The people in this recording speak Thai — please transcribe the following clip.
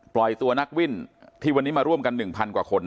ปล่อยตัวนักวิ่งที่วันนี้มาร่วมกัน๑๐๐กว่าคน